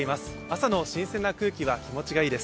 朝の新鮮な空気は気持ちがいいです。